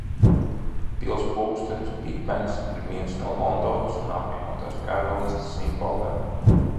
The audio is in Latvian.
Pils pulkstenis Bigbens ir viens no Londonas un Apvienotās Karalistes simboliem.